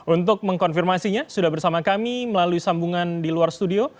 untuk mengkonfirmasinya sudah bersama kami melalui sambungan di luar studio